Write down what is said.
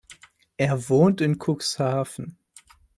Er wohnt in Cuxhaven.